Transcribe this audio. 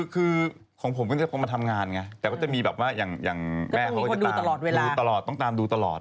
คือของผมก็จะพบมาทำงานไงแต่มีแบบแม่เขาต้องตามดูตลอด